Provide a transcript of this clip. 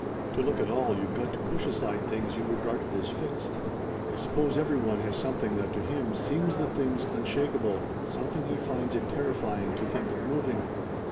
To look at all you've got to push aside things you regarded as fixed. I suppose every one has something that to him seems the things unshakable, something he finds it terrifying to think of moving.